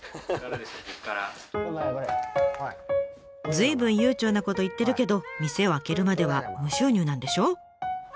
随分悠長なこと言ってるけど店を開けるまでは無収入なんでしょ？